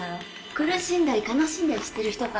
苦しんだり悲しんだりしてる人が